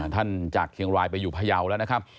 ท่านจากเกียงรายไปอยู่พยาวนะครับ